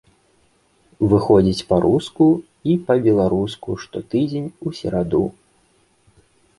Выходзіць па-руску і па-беларуску штотыдзень у сераду.